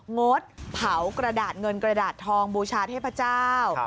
งดเผากระดาษเงินกระดาษทองบูชาเทพเจ้า